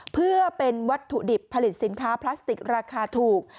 เพื่อเป็นวัตถุดิบผลิตสินค้าพลาสติกราคาถูก